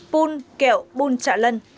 bùn kẹo bùn trạ lân